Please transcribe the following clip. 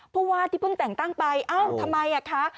เพราะว่าที่เพิ่งแต่งตั้งไปทำไม